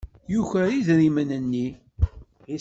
Yuker idrimen-nni.